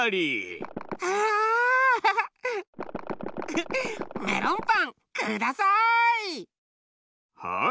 フフッメロンパンください！